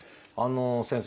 先生